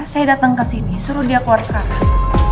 saya datang kesini suruh dia keluar sekarang